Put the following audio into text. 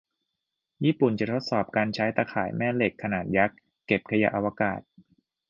ญี่ปุ่นจะทดสอบการใช้ตาข่ายแม่เหล็กขนาดยักษ์เก็บขยะอวกาศ